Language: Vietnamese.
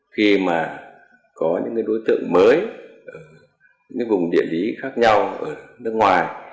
khi mà có những đối tượng mới ở những vùng địa lý khác nhau ở nước ngoài